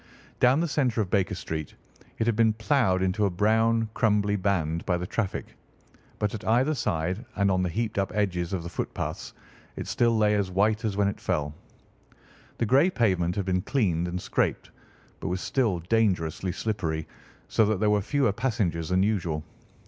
Down the centre of Baker Street it had been ploughed into a brown crumbly band by the traffic, but at either side and on the heaped up edges of the footpaths it still lay as white as when it fell. The grey pavement had been cleaned and scraped, but was still dangerously slippery, so that there were fewer passengers than usual.